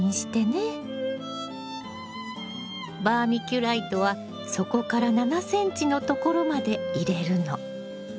バーミキュライトは底から７ｃｍのところまで入れるの。